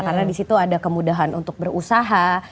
karena di situ ada kemudahan untuk berusaha